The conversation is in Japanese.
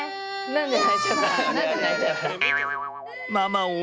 何で泣いちゃった？